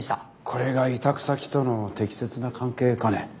これが委託先との適切な関係かね。